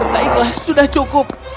baiklah sudah cukup